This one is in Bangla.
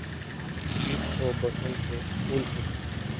শীত ও বসন্তে ফুল ফোটে।